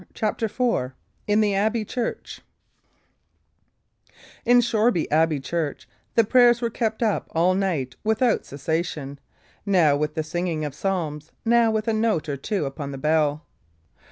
CHAPTER IV IN THE ABBEY CHURCH In Shoreby Abbey Church the prayers were kept up all night without cessation, now with the singing of psalms, now with a note or two upon the bell.